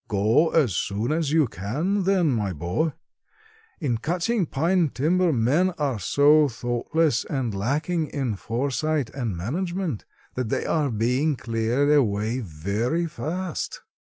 "Go as soon as you can, then, my boy. In cutting pine timber men are so thoughtless and lacking in foresight and management that they are being cleared away very fast."